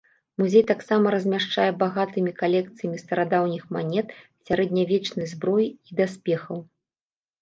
Музей таксама размяшчае багатымі калекцыямі старадаўніх манет, сярэднявечнай зброі і даспехаў.